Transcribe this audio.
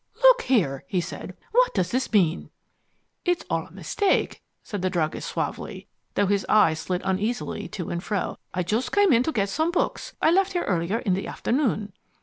"Look here," he said, "what does this mean?" "It's all a mistake," said the druggist suavely, though his eyes slid uneasily to and fro. "I just came in to get some books I left here earlier in the afternoon."